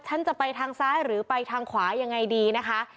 ฉันจะไปทางซ้ายหรือไปทางขวายังไงดีนะคะ